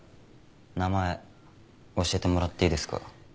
名前教えてもらっていいですか？